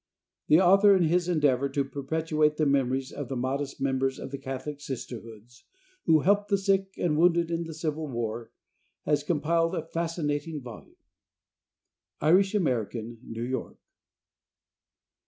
The author in his endeavor to perpetuate the memories of the modest members of the Catholic Sisterhoods, who helped the sick and wounded in the Civil War, has compiled a fascinating volume. Irish American, New York.